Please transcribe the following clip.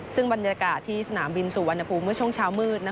ซึ่งบรรยากาศที่สนามบินสุวรรณภูมิเมื่อช่วงเช้ามืด